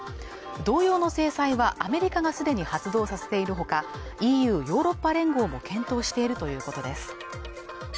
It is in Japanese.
同様の制裁はアメリカがすでに発動させているほかＥＵ＝ヨーロッパ連合も検討しているということです